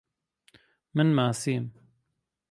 من ماسیم.